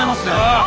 ああ。